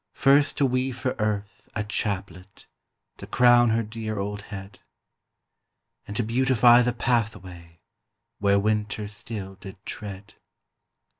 First to weave for Earth a chaplet To crown her dear old head; And to beautify the pathway Where winter still did tread.